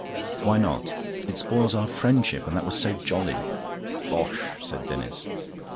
"Why not?" "It spoils our friendship, and that was so jolly." "Bosh!" said Denis.